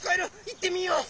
いってみよう！